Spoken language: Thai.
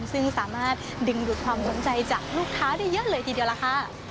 ซึ่งสามารถดึงดูดความสนใจจากลูกค้าได้เยอะเลยทีเดียวล่ะค่ะ